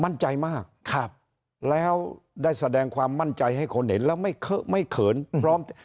มั่นใจมากครับแล้วได้แสดงความมั่นใจให้คนเห็นแล้วไม่เขินพร้อม